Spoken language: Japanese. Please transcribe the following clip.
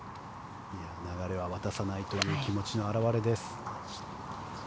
流れは渡さないという気持ちの表れです。